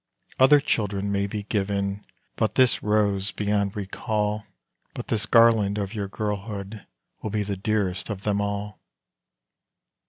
Other children may be given; but this rose beyond recall, But this garland of your girlhood, will be dearest of them all.